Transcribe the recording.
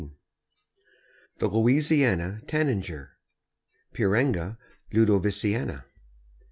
] THE LOUISIANA TANAGER. (_Piranga ludoviciana.